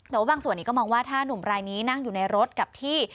แต่ว่าบางส่วนนี้ก็มองว่าถ้านุ่มรายนี้นั่งอยู่ในรถกับที่